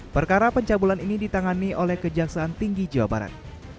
perkara pencabulan ini ditangani oleh kejaksaan tinggi jawa barat